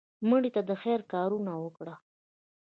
مړه ته د خیر کارونه وکړه